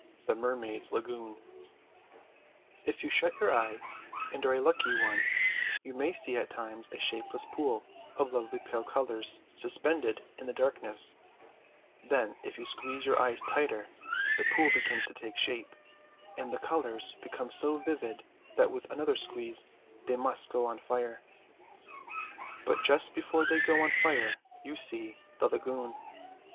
THE MERMAIDS' LAGOON If you shut your eyes and are a lucky one, you may see at times a shapeless pool of lovely pale colours suspended in the darkness; then if you squeeze your eyes tighter, the pool begins to take shape, and the colours become so vivid that with another squeeze they must go on fire. But just before they go on fire you see the lagoon.